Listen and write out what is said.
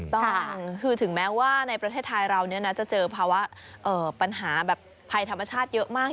ถูกต้องคือถึงแม้ว่าในประเทศไทยเราจะเจอภาวะปัญหาแบบภัยธรรมชาติเยอะมาก